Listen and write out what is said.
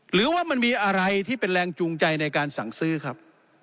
หรือว่ามันมีอะไรที่เป็นแรงจูงใจในการสั่งซื้อครับ